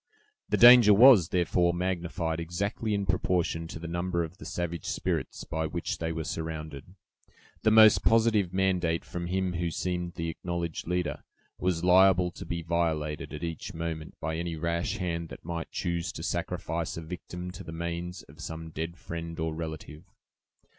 The danger was, therefore, magnified exactly in proportion to the number of the savage spirits by which they were surrounded. The most positive mandate from him who seemed the acknowledged leader, was liable to be violated at each moment by any rash hand that might choose to sacrifice a victim to the manes of some dead friend or relative.